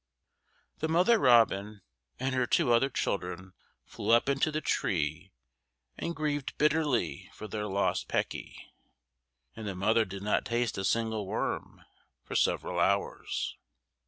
The mother robin and her two other children flew up into the tree and grieved bitterly for their lost Pecky, and the mother did not taste a single worm for several hours.